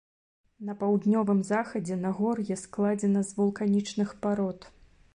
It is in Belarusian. На паўднёвым захадзе нагор'е складзена з вулканічных парод.